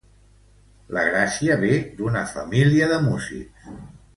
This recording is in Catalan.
La gràcia ve d'una família de músics.